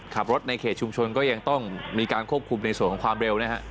ขับรถในเขตชุมชนก็ยังต้องมีการควบคุมในส่วนของความเร็วนะฮะ